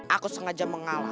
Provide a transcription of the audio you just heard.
aku sengaja mengalah